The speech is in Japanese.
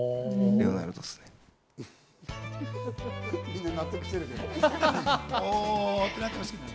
みんな納得してるけど。